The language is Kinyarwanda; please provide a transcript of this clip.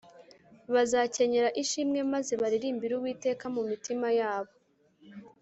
bazakenyera ishimwe maze baririmbire uwiteka mu mitima yabo.